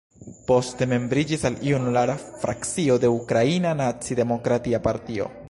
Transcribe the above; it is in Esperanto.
Poste membriĝis al Junulara Frakcio de Ukraina Naci-Demokratia Partio.